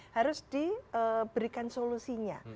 harus diberikan solusinya